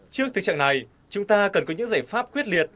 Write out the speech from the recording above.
trước thực trạng này chúng ta cần có những giải pháp quyết liệt